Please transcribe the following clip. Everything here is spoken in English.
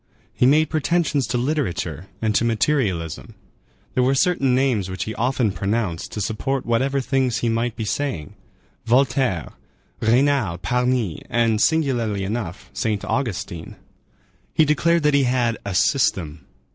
He made pretensions to literature and to materialism. There were certain names which he often pronounced to support whatever things he might be saying,—Voltaire, Raynal, Parny, and, singularly enough, Saint Augustine. He declared that he had "a system."